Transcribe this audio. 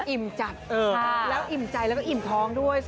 อิ่มจัดแล้วอิ่มใจแล้วก็อิ่มท้องด้วย